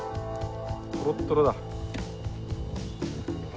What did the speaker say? トロットロだ。